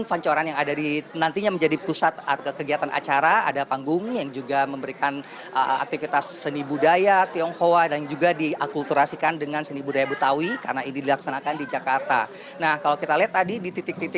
pertunjukan seperti wayang potehi juga akan ditampilkan dalam rayaan cap gome kali ini